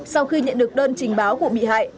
sau khi nhận được đơn trình báo của bị hại